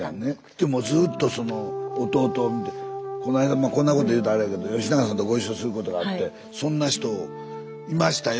でもずっとその「おとうと」を見てこないだこんなこと言うたらあれやけど吉永さんとご一緒することがあって「そんな人いましたよ」